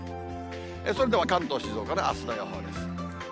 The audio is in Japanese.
それでは関東、静岡のあすの予報です。